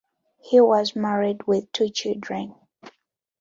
He was married with two children.